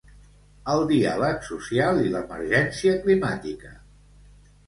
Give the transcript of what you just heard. El diàleg social i l'emergència climàtica.